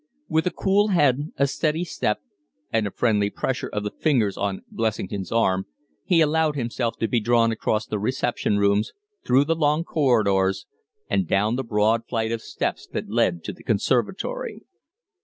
With a cool head, a steady step, and a friendly pressure of the fingers on Blessington's arm, he allowed himself to be drawn across the reception rooms, through the long corridors, and down the broad flight of steps that led to the conservatory.